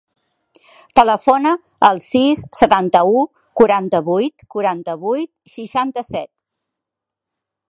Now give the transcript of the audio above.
Telefona al sis, setanta-u, quaranta-vuit, quaranta-vuit, seixanta-set.